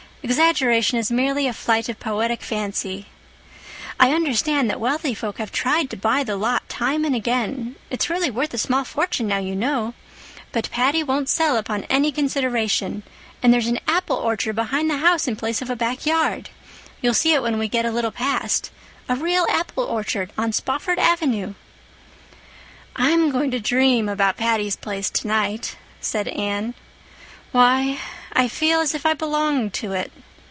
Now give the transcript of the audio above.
Exaggeration is merely a flight of poetic fancy. I understand that wealthy folk have tried to buy the lot time and again—it's really worth a small fortune now, you know—but 'Patty' won't sell upon any consideration. And there's an apple orchard behind the house in place of a back yard—you'll see it when we get a little past—a real apple orchard on Spofford Avenue!" "I'm going to dream about 'Patty's Place' tonight," said Anne. "Why, I feel as if I belonged to it.